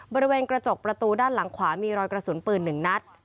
บริเวณกระจกประตูด้านหลังขวามีรอยกระสุนปืน๑นัด